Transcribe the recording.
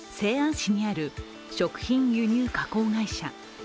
市にある食品輸入・加工会社。